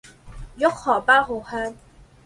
玉荷包好香